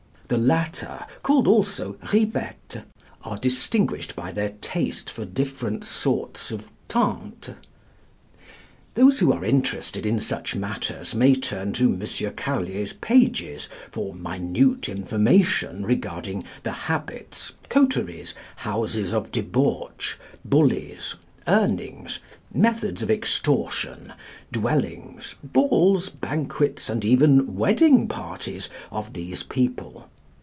The latter, called also rivettes, are distinguished by their tastes for different sorts of tantes. Those who are interested in such matters may turn to M. Carlier's pages for minute information regarding the habits, coteries, houses of debauch, bullies, earnings, methods of extortion, dwellings, balls, banquets, and even wedding parties of these people.